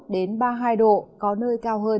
đến ba mươi hai độ có nơi cao hơn